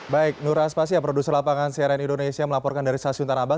baik nur aspasya produser lapangan cnn indonesia melaporkan dari stasiun tanah abang